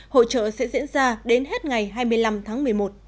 hội trợ sẽ diễn ra đến hết ngày hai mươi năm tháng một mươi một